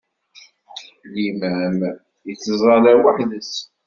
Limam ittẓalla weḥd-s.